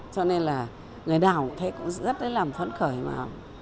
cho nên là người nào cũng thấy cũng rất là làm phẫn khởi mà